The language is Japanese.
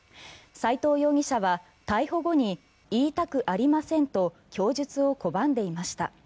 斎藤容疑者は逮捕後に言いたくありませんと供述を拒んでいました。